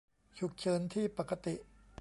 "ฉุกเฉินที่ปกติ"